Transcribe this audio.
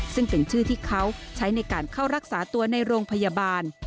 ซึ่งเป็นชื่อที่เขาใช้ในการเข้ารักษาตัวในโรงพยาบาล